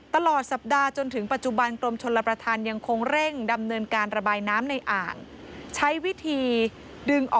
ตลอดสัปดาห์จนถึงปัจจุบันกรมชลประธานยังคงเร่งดำเนินการระบายน้ำในอ่างใช้วิธีดึงออก